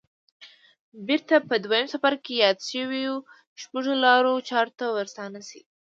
بېرته په دويم څپرکي کې يادو شويو شپږو لارو چارو ته ورستانه شئ.